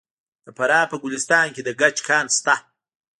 د فراه په ګلستان کې د ګچ کان شته.